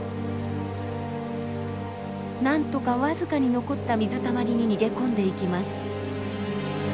なんとか僅かに残った水たまりに逃げ込んでいきます。